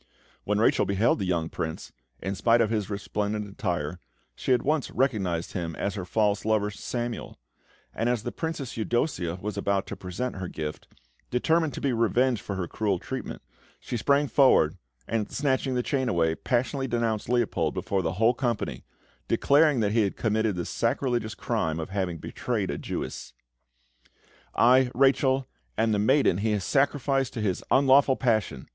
When Rachel beheld the young Prince, in spite of his resplendent attire, she at once recognised him as her false lover, Samuel; and as the Princess Eudossia was about to present her gift, determined to be revenged for her cruel treatment, she sprang forward, and, snatching the chain away, passionately denounced Leopold before the whole company, declaring that he had committed the sacrilegious crime of having betrayed a Jewess. "I, Rachel, am the maiden he has sacrificed to his unlawful passion!"